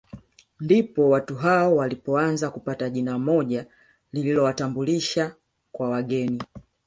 Ndipo watu hao walipoanza kupata jina moja lililowatambulisha kwa wageni